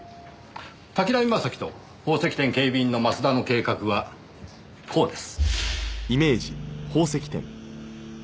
滝浪正輝と宝石店警備員の増田の計画はこうです。